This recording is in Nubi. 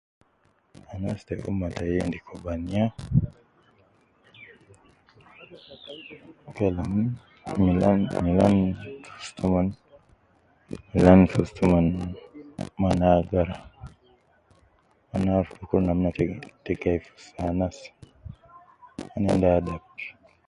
Anas te umma tai endi kubaniya, kalam milan milan fi ustu omon, milan fi ustu omon, mon agara, mon aruf fi kul namna te gai fi ustu anas, mon endi adab